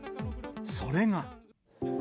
それが。